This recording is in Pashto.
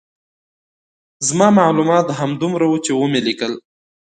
زما معلومات همدومره وو چې ومې لیکل.